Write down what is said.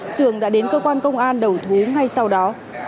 trường đã đến cơ quan công an đầu thú ngay sau đó